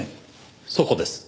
そこです。